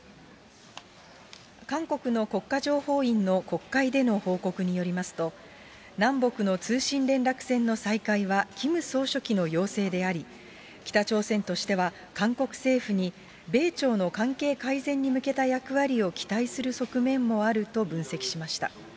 韓国の国家情報院の国会での報告によりますと、南北の通信連絡線の再開はキム総書記の要請であり、北朝鮮としては韓国政府に、米朝の関係改善に向けた役割を期待する側面もあると分析しました。